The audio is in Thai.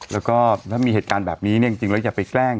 แล้วก็ถ้ามีเหตุการณ์แบบนี้จริงไม่อยากไปแขลง